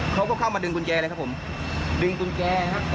เขาก็เข้ามาดึงกุญแจเลยครับผมดึงกุญแจครับ